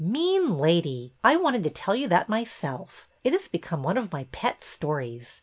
Mean lady ! I wanted to tell you that my self. It has become one of my pet stories.